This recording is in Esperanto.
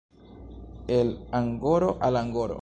El angoro al angoro.